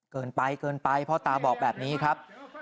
เกินไปเกินไปพ่อตาบอกแบบนี้ครับ